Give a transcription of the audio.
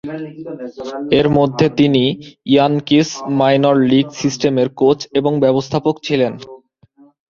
এর মধ্যে তিনি ইয়ানকিস মাইনর লীগ সিস্টেমের কোচ ও ব্যবস্থাপক ছিলেন।